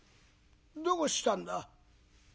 「どうしたんだ？」。